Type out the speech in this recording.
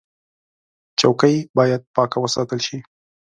چوکۍ باید پاکه وساتل شي.